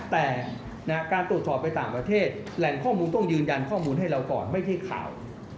แต่การตรวจสอบไปต่างประเทศแหล่งข้อมูลต้องยืนยันข้อมูลให้เราก่อนไม่ใช่ข่าว